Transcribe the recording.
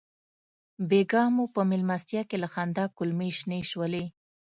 بېګا مو په مېلمستیا کې له خندا کولمې شنې شولې.